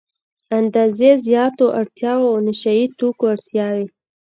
اندازې زياتو اړتیاوو نشه يي توکو اړتیا وي.